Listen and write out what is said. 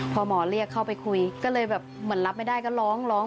พอหมอเรียกเข้าไปคุยก็เลยแบบเหมือนรับไม่ได้ก็ร้องร้อง